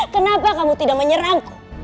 kenapa kamu tidak menyerangku